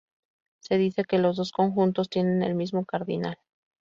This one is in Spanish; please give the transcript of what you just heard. Se dice que los dos conjuntos tienen el mismo cardinal.